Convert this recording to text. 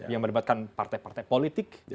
yang melibatkan partai partai politik